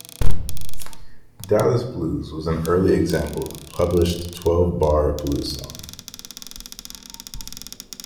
"Dallas Blues" was an early example of published twelve-bar blues song.